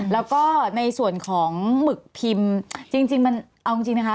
แล้วก็ในส่วนของหมึกพิมพ์จริงมันเอาจริงนะคะ